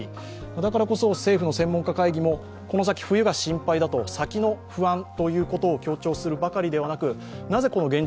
だからこそ、政府の専門家会議もこの先冬が心配だと先の不安ということを強調するばかりではなくなぜ、現状